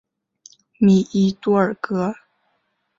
米伊多尔格。